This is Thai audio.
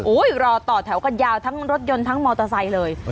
รอต่อแถวกันยาวทั้งรถยนต์ทั้งมอเตอร์ไซค์เลย